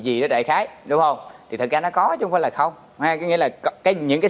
gì đó đại khái đúng không thì thật ra nó có chứ không phải là không hay nghĩa là cái những cái